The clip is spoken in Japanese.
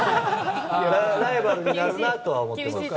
ライバルになるなとは思ってます。